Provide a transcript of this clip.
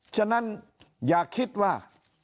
ฉะนั้นอย่าคิดว่า